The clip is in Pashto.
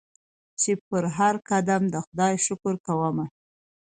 چي پر هرقدم د خدای شکر کومه